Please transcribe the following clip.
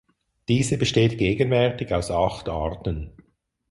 Diese besteht gegenwärtig aus acht Arten.